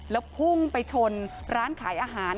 แล้วพุ่งไปชนร้านขายอาหาร